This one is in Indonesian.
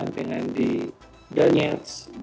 dengan di donetsk